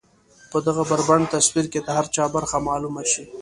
په دغه بربنډ تصوير کې د هر چا برخه معلومه شي.